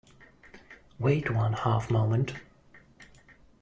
Wait one half-moment.